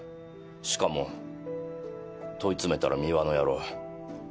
しかも問い詰めたら美和の野郎。